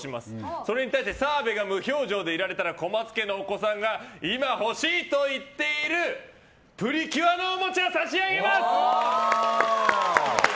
それに対して澤部が無表情でいられたら小松家のお子さんが今欲しいと言っている「プリキュア」のおもちゃ差し上げます！